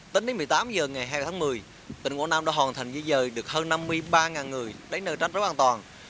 tính đến một mươi tám h ngày hai tháng một mươi tỉnh quảng nam đã hoàn thành di dời được hơn năm mươi ba người đánh nơi trách rất an toàn